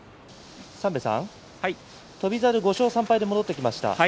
翔猿５勝３敗で戻ってきました。